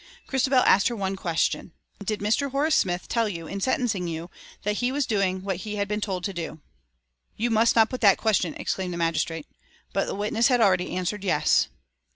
Christabel asked her one question. "Did Mr. Horace Smith tell you in sentencing you that he was doing what he had been told to do?" "You must not put that question!" exclaimed the magistrate. But the witness had already answered "Yes."